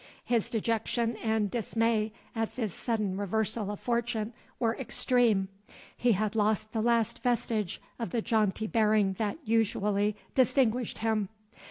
His dejection and dismay at this sudden reversal of fortune were extreme. He had lost the last vestige of the jaunty bearing that usually distinguished him.